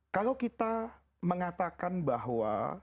kalau kita mengatakan bahwa